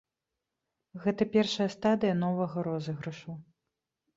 Гэта першая стадыя новага розыгрышу.